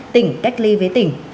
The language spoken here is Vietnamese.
tỉnh cách ly với tỉnh